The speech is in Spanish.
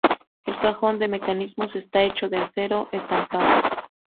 El cajón de mecanismos está hecho de acero estampado.